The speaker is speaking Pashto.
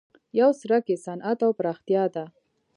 یو څرک یې صنعت او پراختیا ده.